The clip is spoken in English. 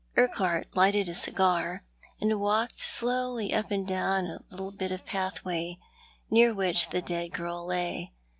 Urquhart lighted a cigar, and walked slowly up and down a little bit of pathway near which the dead girl lay.